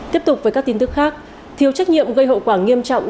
tiếp tục với các tin tức khác thiếu trách nhiệm gây hậu quả nghiêm trọng